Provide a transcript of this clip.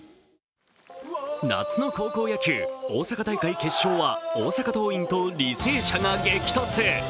夏の高校野球、大阪大会決勝は大阪桐蔭と履正社が激突。